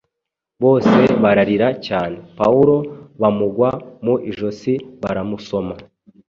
Bose bararira cyane, Pawulo bamugwa mu ijosi, baramusoma.